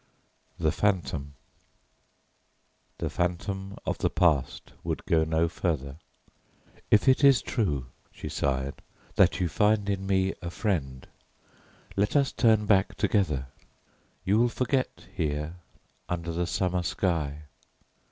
THE PHANTOM The Phantom of the Past would go no further. "If it is true," she sighed, "that you find in me a friend, let us turn back together. You will forget, here, under the summer sky."